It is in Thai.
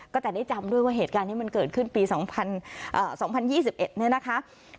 ก็แต่ได้จำด้วยว่าเหตุการณ์นี้มันเกิดขึ้นปี๒๐๒๑เนี่ยนะคะ